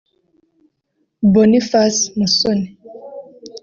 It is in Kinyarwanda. Boniface Musoni